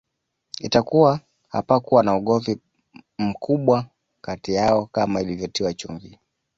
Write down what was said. Itakuwa hapakuwa na ugomvi mkubwa kati yao kama ilivyotiwa chumvi